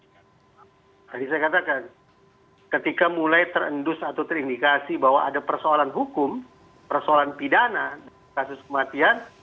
jadi saya katakan ketika mulai terendus atau terindikasi bahwa ada persoalan hukum persoalan pidana kasus kematian